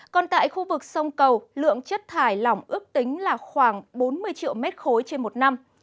còn tại khu vực sông cầu lượng chất thải lỏng ước tính là khoảng bốn mươi triệu mét khối trên một năm